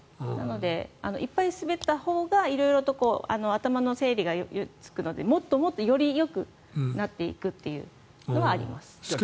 なのでいっぱい滑ったほうが色々と頭の整理がつくのでもっともっとよりよくなっていくというのはあります。